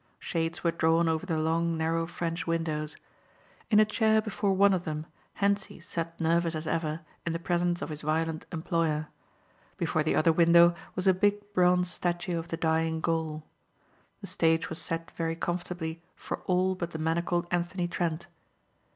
Shades were drawn over the long narrow French windows. In a chair before one of them Hentzi sat nervous as ever in the presence of his violent employer. Before the other window was a big bronze statue of the dying Gaul. The stage was set very comfortably for all but the manacled Anthony Trent.